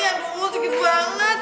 aduh sakit banget